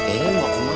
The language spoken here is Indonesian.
eh mau kemana